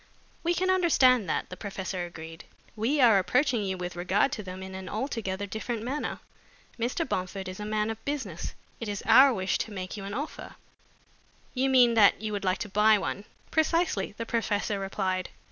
"We can understand that," the professor agreed. "We are approaching you with regard to them in an altogether different manner. Mr. Bomford is a man of business. It is our wish to make you an offer." "You mean that you would like to buy one?" "Precisely," the professor replied.